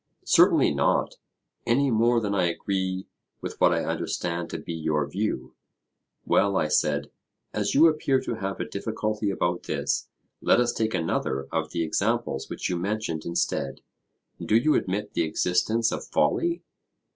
Certainly not; any more than I agree with what I understand to be your view. Well, I said, as you appear to have a difficulty about this, let us take another of the examples which you mentioned instead. Do you admit the existence of folly?